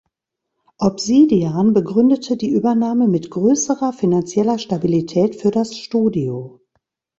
Obsidian begründete die Übernahme mit größerer finanzieller Stabilität für das Studio.